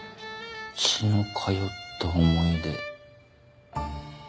血の通った思い出。